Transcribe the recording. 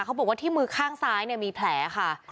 เขาบอกว่าที่มือข้างซ้ายเนี่ยมีแผลค่ะ